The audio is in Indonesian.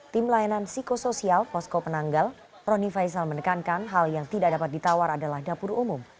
tim layanan psikosoial posko penanggal roni faisal menekankan hal yang tidak dapat ditawar adalah dapur umum